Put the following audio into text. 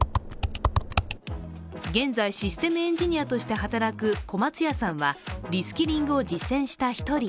現在、システムエンジニアとして働く小松谷さんはリスキリングを実践した１人。